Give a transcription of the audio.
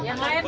pak pak pak